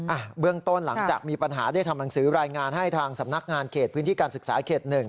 อ่ะเบื้องต้นหลังจากมีปัญหาได้ทำหนังสือรายงานให้ทางสำนักงานเขตพื้นที่การศึกษาเขตหนึ่ง